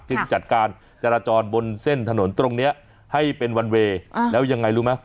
จัดการจราจรบนเส้นถนนตรงนี้ให้เป็นวันเวย์แล้วยังไงรู้ไหม